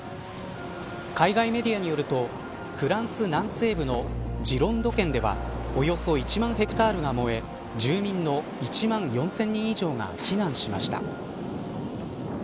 海外メディアによるとフランス南西部のジロンド県ではおよそ１万ヘクタールが燃え住民の１万４０００人以上が避難しました。